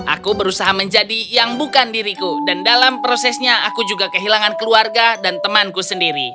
aku berusaha menjadi yang bukan diriku dan dalam prosesnya aku juga kehilangan keluarga dan temanku sendiri